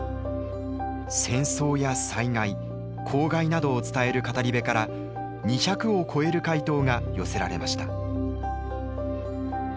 などを伝える語り部から２００を超える回答が寄せられました。